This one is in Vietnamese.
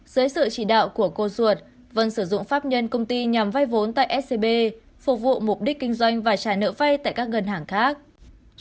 dưới sự chỉ đạo của cô ruột vân sử dụng pháp nhân công ty nhằm vay vốn tại scb phục vụ mục đích kinh doanh và trả nợ vay tại các ngân hàng khác